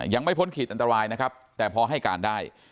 พ้นขีดอันตรายนะครับแต่พอให้การได้